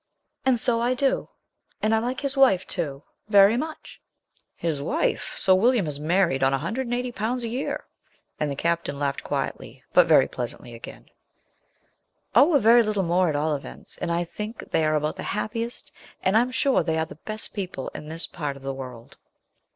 'And so I do, and I like his wife, too, very much.' 'His wife! So William has married on £180 a year;' and the captain laughed quietly but very pleasantly again. 'On a very little more, at all events; and I think they are about the happiest, and I'm sure they are the best people in this part of the world.'